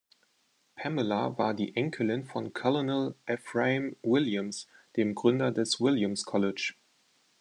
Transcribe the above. Pamela war die Enkelin von Colonel Ephraim Williams, dem Gründer des Williams College.